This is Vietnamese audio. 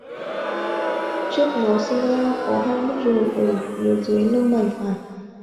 trước nó sinh ra có cái nốt ruồi ở phía dưới lông mày phải